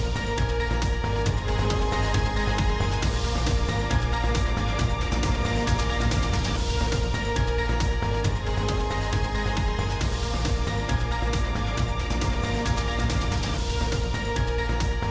โปรดติดตามตอนต่อไป